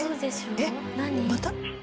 えっまた？